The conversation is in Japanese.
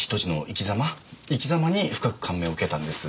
生きざまに深く感銘を受けたんです。